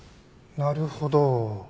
なるほど。